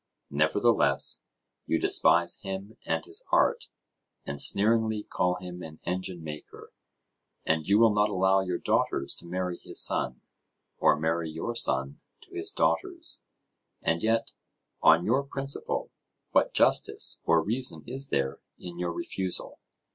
Nevertheless you despise him and his art, and sneeringly call him an engine maker, and you will not allow your daughters to marry his son, or marry your son to his daughters. And yet, on your principle, what justice or reason is there in your refusal?